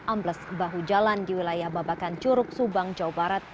ambles bahu jalan di wilayah babakan curug subang jawa barat